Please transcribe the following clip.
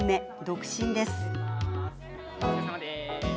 独身です。